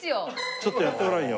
ちょっとやってごらんよ。